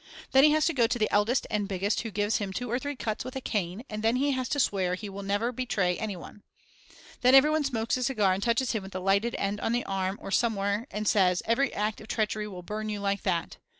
Then he has to go to the eldest and biggest who gives him two or three cuts with a cane and he has to swear that he will never betray anyone. Then everyone smokes a cigar and touches him with the lighted end on the arm or somewhere and says: Every act of treachery will burn you like that.